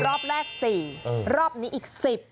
รอบแรก๔รอบนี้อีก๑๐